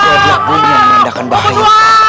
kita adalah dunia yang menandakan bahaya